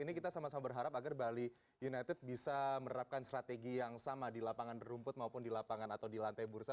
ini kita sama sama berharap agar bali united bisa menerapkan strategi yang sama di lapangan rumput maupun di lapangan atau di lantai bursa